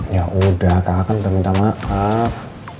ya udah kakak kan udah minta maaf